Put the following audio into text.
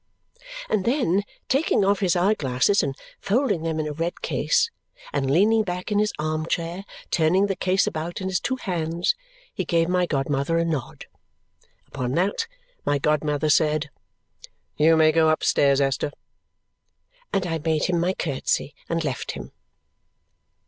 And then, taking off his eye glasses and folding them in a red case, and leaning back in his arm chair, turning the case about in his two hands, he gave my godmother a nod. Upon that, my godmother said, "You may go upstairs, Esther!" And I made him my curtsy and left him.